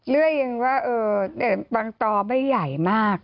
เรื่อยยังว่าบางตอไม่ใหญ่มาก